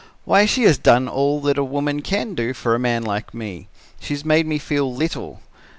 'Why, she has done all that a woman can do for a man like me. She has made me feel little.